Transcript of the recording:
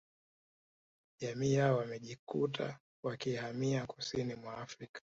Jamii yao wamejikuta wakihamia kusini mwa Afrika